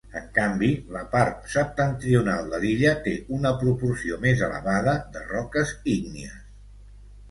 En canvi, la part septentrional de l'illa té una proporció més elevada de roques ígnies.